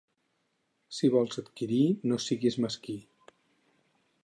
Si vols adquirir, no siguis mesquí.